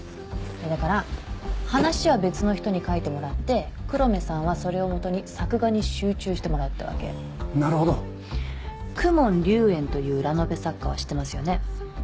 だから話は別の人に書いてもらって黒目さんはそれを基に作画に集中してもらうってわけなるほど公文竜炎というラノベ作家は知ってますよね？